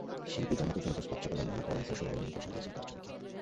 শিল্পী জান্নাতুল ফেরদৌস প্রাচ্যকলার নানা করণ-কৌশল অবলম্বন করে সাজিয়েছেন তাঁর ছবিকে।